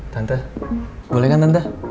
tante boleh kan tante